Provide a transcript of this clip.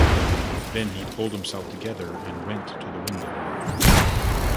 Then he pulled himself together and went to the window.